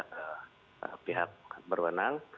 ke pihak berwenang